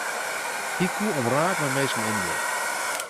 Hy koe omraak mei minsken omgean.